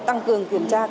tăng cường kiểm tra